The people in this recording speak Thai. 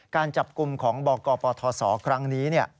การจับกลุ่มของบกปทศครั้งนี้